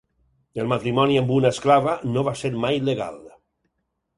El matrimoni amb una esclava no va ser mai legal.